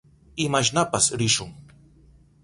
Imashnapas rishun.